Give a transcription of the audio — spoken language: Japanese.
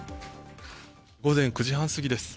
午前９時半過ぎです。